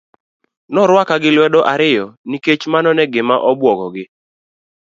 Norwaka gi lwedo ariyo nikech mano gima ne obuogo gi.